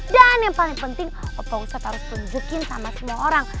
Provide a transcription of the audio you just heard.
dan yang paling penting opa ustadz harus tunjukin sama semua orang